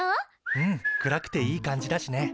うん暗くていい感じだしね。